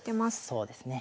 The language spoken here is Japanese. そうですね。